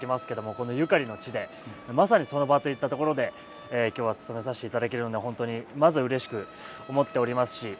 このゆかりの地でまさにその場といった所で今日はつとめさせていただけるので本当にまずうれしく思っておりますし。